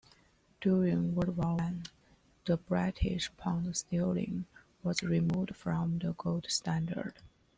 During World War One the British pound sterling was removed from the gold standard.